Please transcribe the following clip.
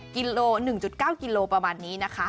กิโล๑๙กิโลประมาณนี้นะคะ